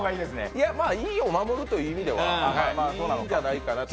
いや、胃を守るという意味ではいいんじゃないかと。